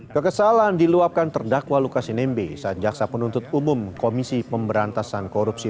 kekesalan diluapkan terdakwa lukas nmb saat jaksa penuntut umum komisi pemberantasan korupsi